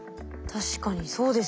確かにそうですね。